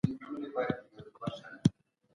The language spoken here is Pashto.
اقتصادي خپلواکي رامنځته کیده.